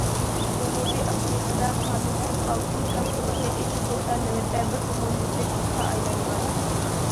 جەنۇبى ئافرىقىدا قانۇنسىز ئالتۇن كان قۇدۇقى ئېچىش بولسا نۆۋەتتە بىر ئومۇميۈزلۈك ئىشقا ئايلانغان.